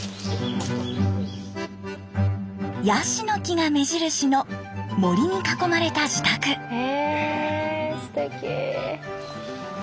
ヤシの木が目印の森に囲まれた自宅。へすてき。